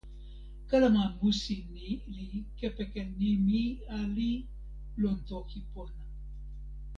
kalama musi ni li kepeken nimi ali lon toki pona!